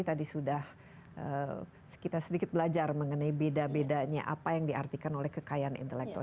tadi sudah kita sedikit belajar mengenai beda bedanya apa yang diartikan oleh kekayaan intelektual